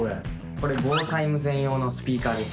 これ防災無線用のスピーカーです。